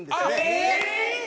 えっ！